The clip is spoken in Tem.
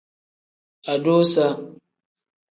Adusa.